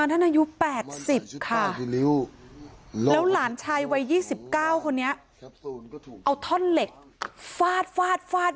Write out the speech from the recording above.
แล้วหลานชายวัยยี่สิบเก้าคนนี้เอาท่อนเหล็กฟาดฟาด